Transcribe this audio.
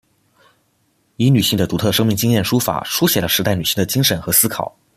以女性的独特生命经验书法抒写了时代女性的精神和思考。